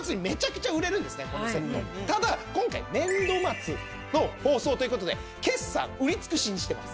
ただ今回年度末の放送ということで決算売り尽くしにしてます。